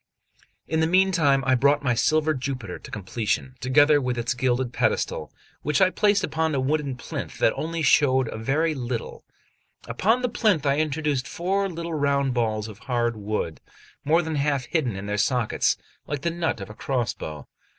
XLI IN the meantime I brought my silver Jupiter to completion, together with its gilded pedestal, which I placed upon a wooden plinth that only showed a very little; upon the plinth I introduced four little round balls of hard wood, more than half hidden in their sockets, like the nut of a crossbow.